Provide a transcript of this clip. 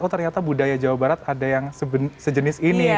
oh ternyata budaya jawa barat ada yang sejenis ini